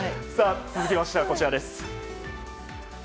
続きましては、こちらです。